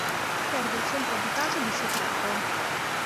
Serve il centro abitato di Cetraro.